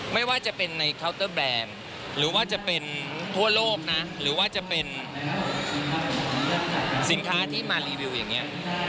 ไม่ว่าจะเป็นในเคาน์เตอร์แบรนด์หรือว่าจะเป็นทั่วโลกนะหรือว่าจะเป็นสินค้าที่มารีวิวอย่างนี้